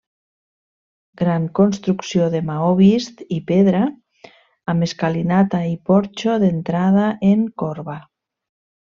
Gran construcció de maó vist i pedra, amb escalinata i porxo d'entrada en corba.